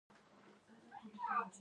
دماغي خوب اخته کړو.